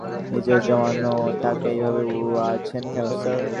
নিজের জমানো টাকা এইভাবে উড়াছেন কেন, স্যার!